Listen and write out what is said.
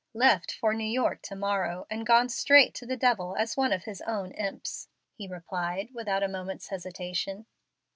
"Left for New York to morrow, and gone straight to the devil as one of his own imps," he replied, without a moment's hesitation.